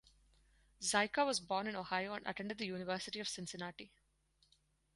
Zika was born in Ohio and attended the University of Cincinnati.